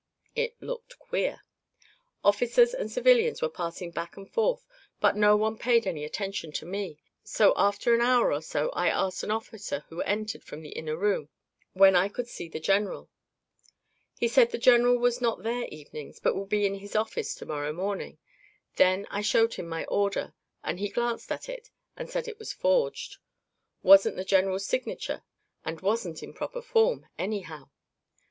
It looked queer. Officers and civilians were passing back and forth but no one paid any attention to me; so after an hour or so I asked an officer who entered from an inner room, when I could see the general. He said the general was not there evenings but would be in his office to morrow morning. Then I showed him my order and he glanced at it and said it was forged; wasn't the general's signature and wasn't in proper form, anyhow.